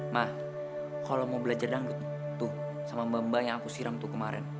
ma kalau mau belajar dangdut tuh sama mba mba yang aku siram tuh kemarin